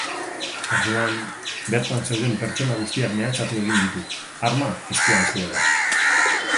Orduan, bertan zeuden pertsona guztiak mehatxatu egin ditu, arma eskuan zuela.